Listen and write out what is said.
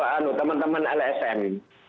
itu teman teman lsm